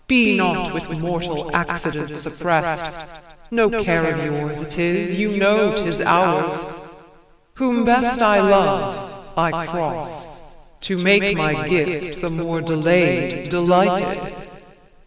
Be not with mortal accidents opprest: No care of yours it is; you know 'tis ours. Whom best I love I cross; to make my gift, The more delay'd, delighted.